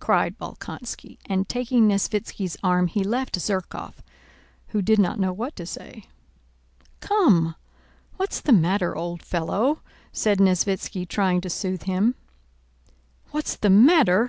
cried Bolkónski, and taking Nesvítski's arm he left Zherkóv, who did not know what to say. "Come, what's the matter, old fellow?" said Nesvítski trying to soothe him. "What's the matter?"